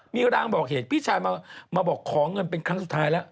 มีรางบอกเหตุพี่ชายมาบอกขอเงินเป็นครั้งสุดท้ายแล้ว